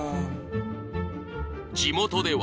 ［地元では］